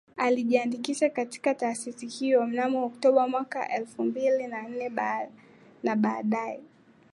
Alijiandikisha katika taasisi hiyo mnamo Oktoba mwaka elfu mbili na nne na baadaye